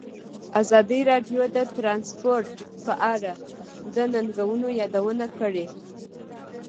ازادي راډیو د ترانسپورټ په اړه د ننګونو یادونه کړې.